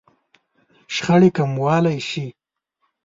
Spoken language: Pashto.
-شخړې کموالی شئ